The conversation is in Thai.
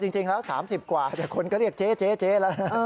จริงแล้ว๓๐กว่าคนก็เรียกเจ๊แล้วนะ